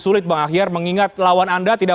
sulit bang ahyar mengingat lawan anda tidak